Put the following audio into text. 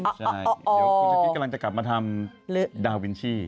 ใช่เดี๋ยวคุณชะคิดกำลังจะกลับมาทำดาวินชี่